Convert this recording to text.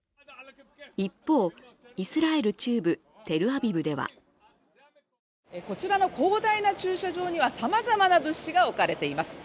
一方、イスラエル中部テルアビブではこちらの広大な駐車場にはさまざまな物資が置かれています。